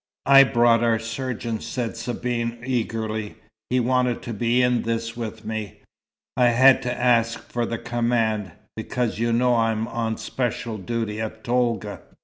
"I brought our surgeon," said Sabine, eagerly. "He wanted to be in this with me. I had to ask for the command, because you know I'm on special duty at Tolga.